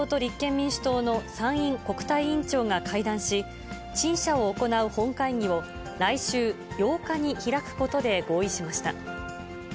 これを受け自民党と立憲民主党の参院国対委員長が会談し、陳謝を行う本会議を来週８日に開くことで合意しました。